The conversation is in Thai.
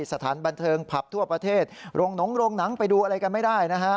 สถานบันเทิงผับทั่วประเทศโรงหนงโรงหนังไปดูอะไรกันไม่ได้นะฮะ